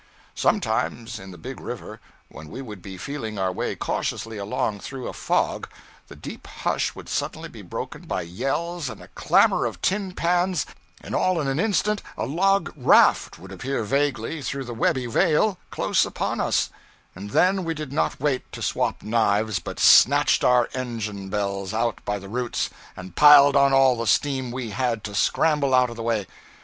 Sometimes, in the big river, when we would be feeling our way cautiously along through a fog, the deep hush would suddenly be broken by yells and a clamor of tin pans, and all in instant a log raft would appear vaguely through the webby veil, close upon us; and then we did not wait to swap knives, but snatched our engine bells out by the roots and piled on all the steam we had, to scramble out of the way!